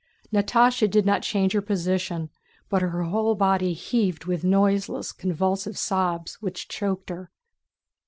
Natásha did not change her position, but her whole body heaved with noiseless, convulsive sobs which choked her.